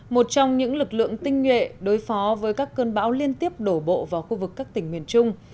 một trong những lực lượng tinh nhuệ đối phó với các cơn bão liên tiếp đổ bộ vào khu vực các tỉnh miền trung